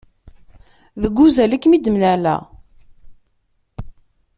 Deg uzal i kem-id-mlaleɣ.